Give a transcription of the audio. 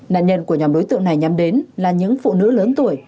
nạn nhân của nhóm đối tượng này nhắm đến là những phụ nữ lớn tuổi